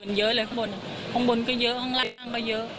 พูดสิทธิ์ข่าวธรรมดาทีวีรายงานสดจากโรงพยาบาลพระนครศรีอยุธยาครับ